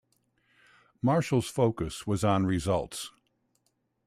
Marshall's focus was on results.